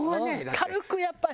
軽くやっぱり。